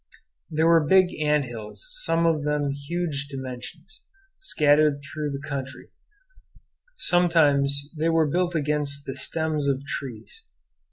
There were big ant hills, some of them of huge dimensions, scattered through the country. Sometimes they were built against the stems of trees.